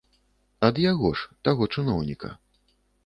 Ад яго ж, таго чыноўніка.